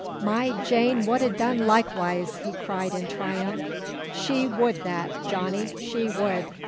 "My Jane would ha' done likewise," he cried in triumph. "She would that, Johnny she would!"